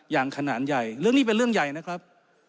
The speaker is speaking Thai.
อย่างขนาดใหญ่เรื่องนี้เป็นเรื่องใหญ่นะครับ